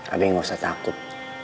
abi gak usah takut